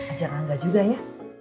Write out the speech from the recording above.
ajar angga juga ya